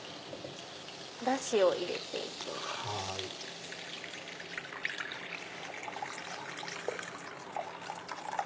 おダシを入れて行きます。